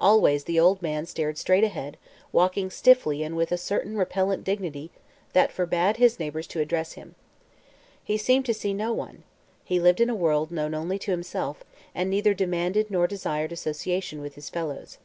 Always the old man stared straight ahead, walking stiffly and with a certain repellent dignity that forbade his neighbors to address him. He seemed to see no one. He lived in a world known only to himself and neither demanded nor desired association with his fellows.